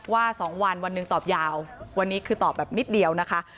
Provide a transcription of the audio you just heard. ว่า๒วันวันหนึ่งตอบยาววันนี้คือตอบแบบนิดเดียวนะคะ